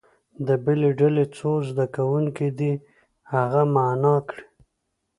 د بلې ډلې څو زده کوونکي دې هغه معنا کړي.